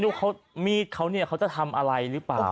นี่มีเขาเนี่ยเขาจะทำอะไรรึเปล่า